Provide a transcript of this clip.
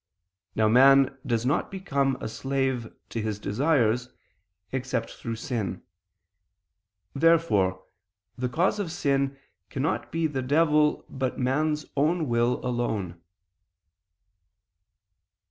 Now man does not become a slave to his desires, except through sin. Therefore the cause of sin cannot be the devil, but man's own will alone.